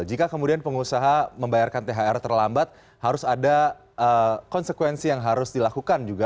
jika kemudian pengusaha membayarkan thr terlambat harus ada konsekuensi yang harus dilakukan juga